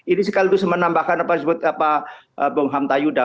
ini sekali lagi menambahkan apa disebut bung hamta yuda